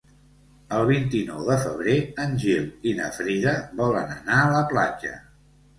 El vint-i-nou de febrer en Gil i na Frida volen anar a la platja.